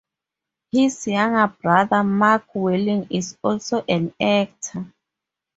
His younger brother, Mark Welling, is also an actor.